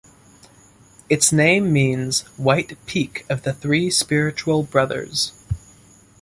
Its name means "White Peak of the Three Spiritual Brothers".